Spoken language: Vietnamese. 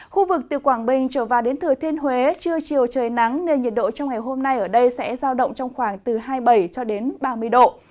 khu vực từ quảng bình trở vào đến thừa thiên huế trưa chiều trời nắng nên nhiệt độ trong ngày hôm nay ở đây sẽ giao động trong khoảng từ hai mươi bảy ba mươi độ